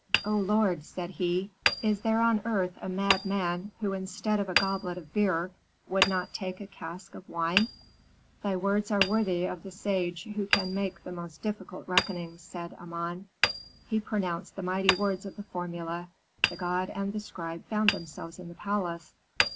"'O lord,' said he, 'is there on earth a mad man who instead of a goblet of beer would not take a cask of wine?' "'Thy words are worthy of the sage who can make the most difficult reckonings,' said Amon. "He pronounced the mighty words of the formula; the god and the scribe found themselves in the palace.